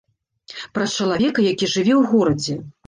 Пра чалавека, які жыве ў горадзе.